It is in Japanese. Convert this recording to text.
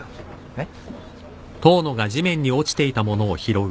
えっ？